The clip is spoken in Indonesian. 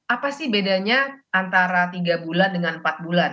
apa sih bedanya antara tiga bulan dengan empat bulan